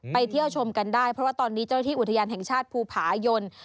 เที่ยวชมกันได้เพราะว่าตอนนี้เจ้าหน้าที่อุทยานแห่งชาติภูผายน